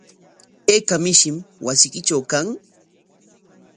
¿Ayka mishim wasiykitraw kan?